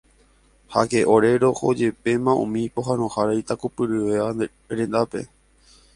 Háke ore rohojepéma umi pohãnohára ikatupyryvéva rendápe.